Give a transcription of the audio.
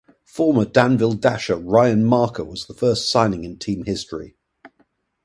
Former Danville Dasher Ryan Marker was the first signing in team history.